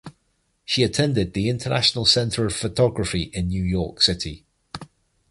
She attended the International Center of Photography in New York City.